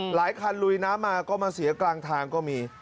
หลายคันลุยน้ำมาก็มาเสียกลางทางก็มี